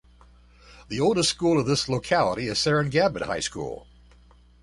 The oldest school of this locality is Sarengabad High School.